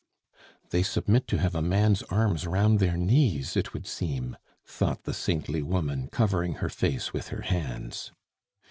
"They submit to have a man's arms round their knees, it would seem!" thought the saintly woman, covering her face with her hands.